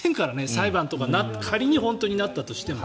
裁判とか仮に本当になったとしても。